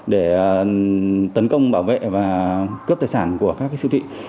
để tấn công bảo vệ và cướp tài sản của các siêu thị